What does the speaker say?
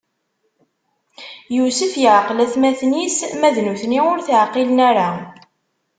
Yusef iɛqel atmaten-is, ma d nutni ur t-ɛqilen ara.